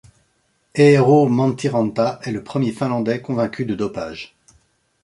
Eero Mäntyranta est le premier Finlandais convaincu de dopage.